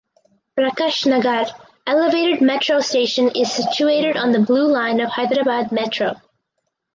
Prakash Nagar elevated metro station is situated on the Blue Line of Hyderabad Metro.